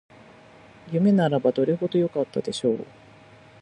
夢ならばどれほどよかったでしょう